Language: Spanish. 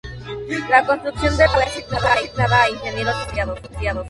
La construcción de la presa fue asignada a Ingenieros Civiles Asociados.